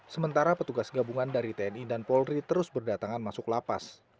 sementara petugas gabungan dari tni dan polri terus berdatangan masuk lapas